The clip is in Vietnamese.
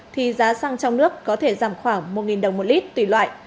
thì giá xăng trong nước có thể giảm khoảng một đồng một lít tùy loại